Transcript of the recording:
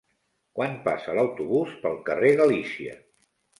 Quan passa l'autobús pel carrer Galícia?